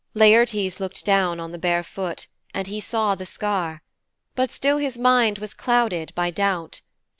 Laertes looked down on the bare foot, and he saw the scar, but still his mind was clouded by doubt.